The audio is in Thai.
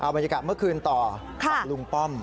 บรรยากาศเมื่อคืนต่อฝั่งลุงป้อม